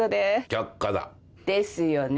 却下だ。ですよね。